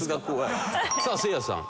さあせいやさん。